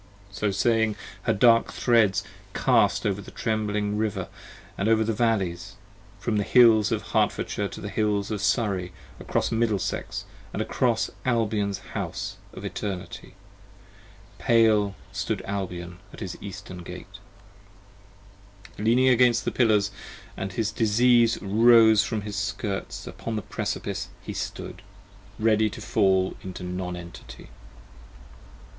So saying she her dark threads cast over the trembling River, And over the valleys; from the hills of Hertfordshire to the hills Of Surrey across Middlesex, & across Albion's House 70 Of Eternity; pale stood Albion at his eastern gate, p. 32 LEANING against the pillars, & his disease rose from his skirts: Upon the Precipice he stood; ready to fall into Non Entity.